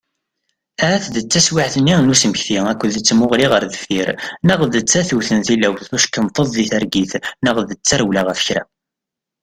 Ahat d taswiɛt-nni n usmekti akked tmuɣli ɣer deffir, neɣ d tatut n tilawt d uckenṭeḍ di targit, neɣ d tarewla ɣef kra.